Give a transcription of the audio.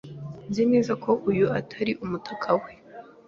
Nzi neza ko uyu ari umutaka we.